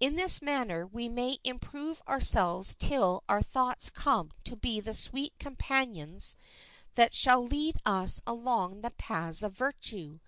In this manner we may improve ourselves till our thoughts come to be sweet companions that shall lead us along the paths of virtue.